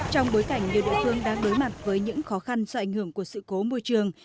trong bối cảnh nhiều địa phương đang đối mặt với những khó khăn do ảnh hưởng của sự cố môi trường